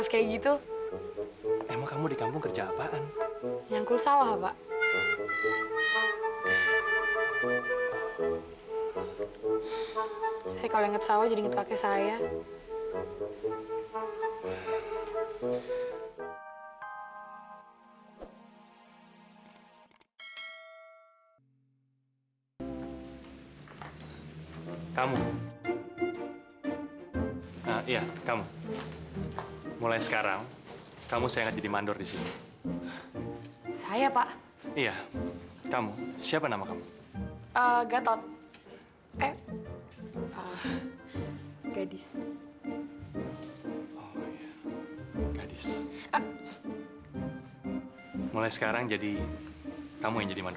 sampai jumpa di video selanjutnya